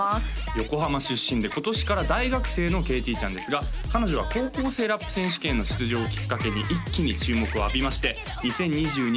横浜出身で今年から大学生の＃ＫＴちゃんですが彼女は高校生ＲＡＰ選手権の出場をきっかけに一気に注目を浴びまして２０２２